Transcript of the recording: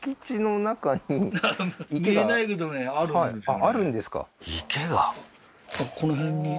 あっあるんですか池が？